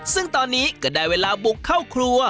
ซึ่งตอนนี้ก็ได้เวลาบุกเข้าครัว